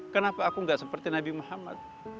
kenapa aku nggak seperti nabi muhammad